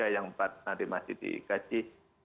yang empat nanti masih dikaji